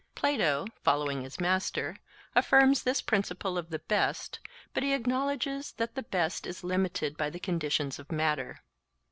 Plato, following his master, affirms this principle of the best, but he acknowledges that the best is limited by the conditions of matter.